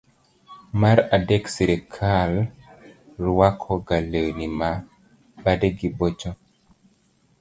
mar adek srikal rwakoga lewni na badegi bocho.